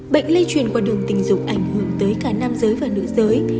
bệnh lây truyền qua đường tình dục ảnh hưởng tới cả nam giới và nữ giới